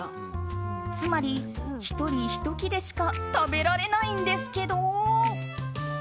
つまり、１人１切れしか食べられないんですけど！